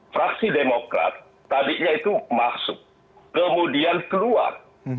fraksi demokrat tadinya itu masuk kemudian keluar